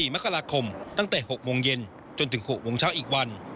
๔มกราคมตั้งแต่๖โมงเย็นจนถึง๖โมงเช้าอีกวัน